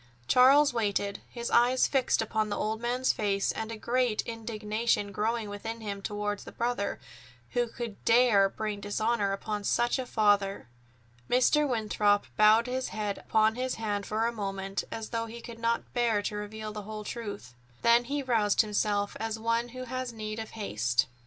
Charles waited, his eyes fixed upon the old man's face, and a great indignation growing within him toward the brother who could dare bring dishonor upon such a father! Mr. Winthrop bowed his head upon his hand for a moment, as though he could not bear to reveal the whole truth. Then he roused himself as one who has need of haste.